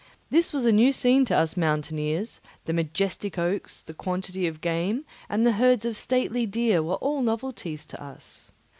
This was a new scene to us mountaineers; the majestic oaks, the quantity of game, and the herds of stately deer were all novelties to us.